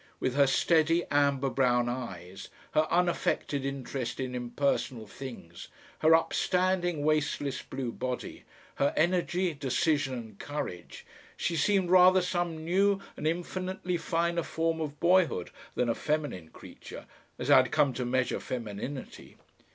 With her steady amber brown eyes, her unaffected interest in impersonal things, her upstanding waistless blue body, her energy, decision and courage, she seemed rather some new and infinitely finer form of boyhood than a feminine creature, as I had come to measure femininity.